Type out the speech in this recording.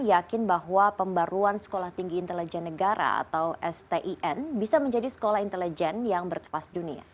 yakin bahwa pembaruan sekolah tinggi intelijen negara atau stin bisa menjadi sekolah intelijen yang berkepas dunia